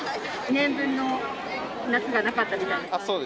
２年分の夏がなかったぐらい？